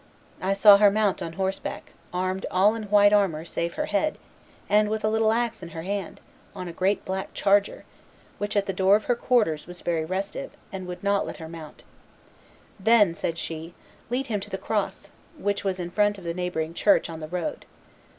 I saw her mount on horseback, armed all in white armor, save her head, and with a little axe in her hand, on a great black charger, which, at the door of her quarters, was very restive, and would not let her mount. Then said she, 'Lead him to the cross,' which was in front of the neighboring church, on the road.